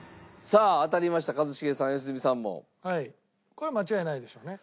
これは間違いないでしょうね。